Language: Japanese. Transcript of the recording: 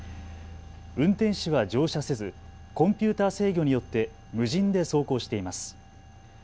運転士は乗車せずコンピューター制御によって無人で走行しています。